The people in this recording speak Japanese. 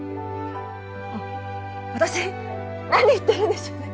あ私何言ってるんでしょうね